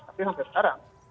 tapi sampai sekarang